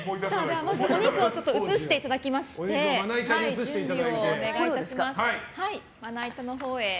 まず、お肉を移していただきまして準備をお願いします。